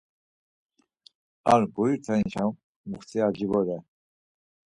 Ar guritenşa muxtiyaci vore.